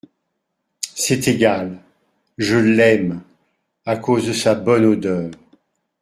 C’est égal ! je l’aime… à cause de sa bonne odeur…